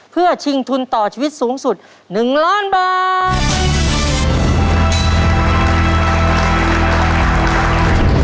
เพื่อชิงทุนต่อชีวิตสูงสุด๑ล้านบาท